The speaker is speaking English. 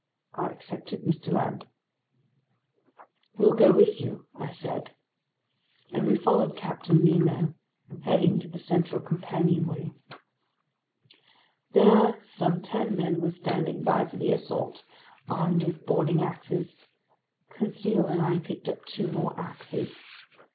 "I accept it, Mr. Land." "We'll go with you," I said. And we followed Captain Nemo, heading to the central companionway. There some ten men were standing by for the assault, armed with boarding axes. Conseil and I picked up two more axes.